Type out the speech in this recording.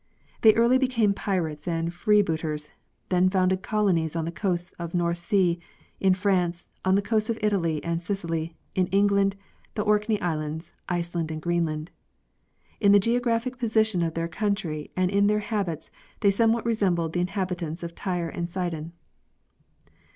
They early became pirates and freebooters, then founded colonies on the coasts of North sea, in France, on the coasts of Italy and Sicily, in England, the Orkney islands, Iceland, and Greenland. In the geographic position of their country and in their habits they somewhat resemble the inhabitants of Tyre and Sidon.